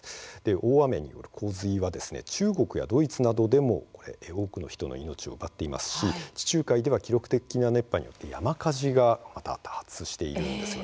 大雨による洪水は中国やドイツなどでも多くの人の命を奪ってますし地中海では記録的な熱波によって山火事が多発しています。